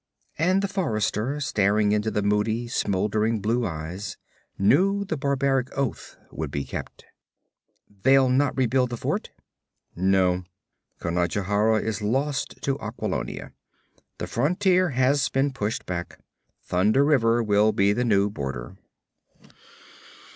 And the forester, staring into the moody, smoldering blue eyes, knew the barbaric oath would be kept. 'They'll not rebuild the fort?' 'No; Conajohara is lost to Aquilonia. The frontier has been pushed back. Thunder River will be the new border.'